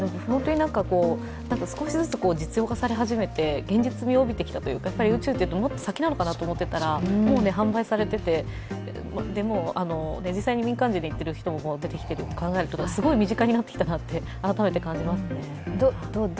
少しずつ実用化され始めて、現実味を帯びてきたというか、宇宙って、もっと先なのかなと思ったらもう販売されてて、でも実際に民間人に行っている人も出てきているすごい身近になってきたなと改めて感じますね。